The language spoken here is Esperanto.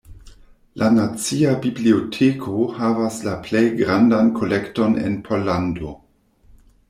La Nacia Biblioteko havas la plej grandan kolekton en Pollando.